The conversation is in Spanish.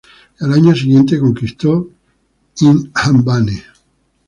Al año siguiente conquistó Inhambane.